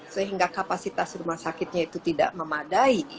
sehingga kapasitas rumah sakitnya itu tidak memadai